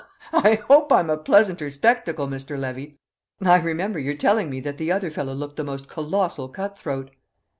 "I hope I'm a pleasanter spectacle, Mr. Levy? I remember your telling me that the other fellow looked the most colossal cut throat."